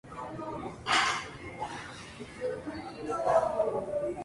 El tumor, estando en la glándula pituitaria, puede causa problemas de salud secundarios.